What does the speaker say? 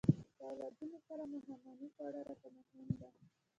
له اولادونو سره ماښامنۍ خوړل راته مهمه ده.